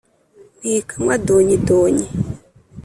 ntikamwa donyi donyi